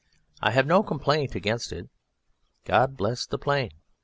I have no complaint against it. God bless the plain!"